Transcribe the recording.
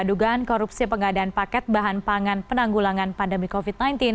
dugaan korupsi pengadaan paket bahan pangan penanggulangan pandemi covid sembilan belas